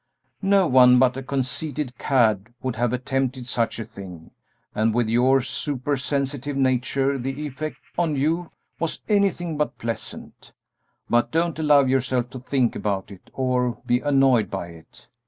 No one but a conceited cad would have attempted such a thing, and with your supersensitive nature the effect on you was anything but pleasant, but don't allow yourself to think about it or be annoyed by it.